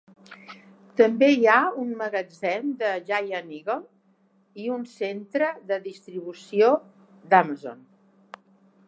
També hi ha un magatzem de Giant Eagle i un centre de distribució d'Amazon.